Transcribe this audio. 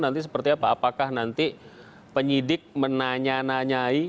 apakah nanti penyidik menanya nanyai